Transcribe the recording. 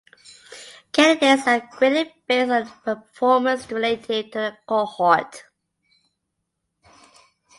Candidates are graded based on their performance relative to the cohort.